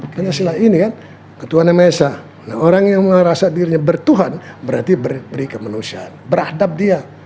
karena silah ini kan ketuanya mesa orang yang merasa dirinya bertuhan berarti beri kemanusiaan berhadap dia